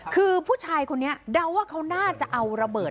คือผู้ชายคนนี้เดาว่าเขาน่าจะเอาระเบิด